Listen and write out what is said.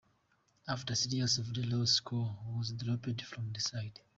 After a series of low scores was dropped from the side.